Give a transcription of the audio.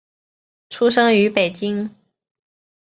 出生于北京。